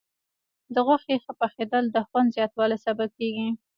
د غوښې ښه پخېدل د خوند زیاتوالي سبب کېږي.